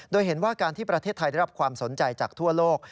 โดยเห็นว่าการที่ประเทศไทยได้รับความสนใจจากทั่วโลก